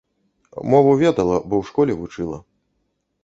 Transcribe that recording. Мову ведала, бо ў школе вучыла.